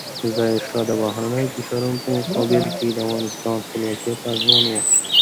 ظاهرشاه د بهرنیو فشارونو په مقابل کې د افغانستان خپلواکۍ ته ژمن و.